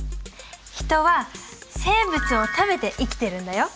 ヒトは生物を食べて生きてるんだよ。